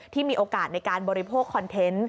ที่มีโอกาสในการบริโภคคอนเทนต์